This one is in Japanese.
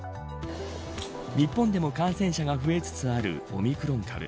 日本でも感染者が増えつつあるオミクロン株。